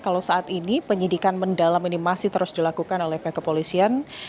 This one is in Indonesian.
kalau saat ini penyidikan mendalam ini masih terus dilakukan oleh pihak kepolisian